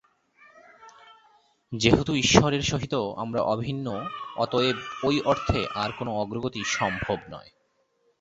যেহেতু ঈশ্বরের সহিত আমরা অভিন্ন, অতএব ঐ অর্থে আর কোন অগ্রগতি সম্ভব নয়।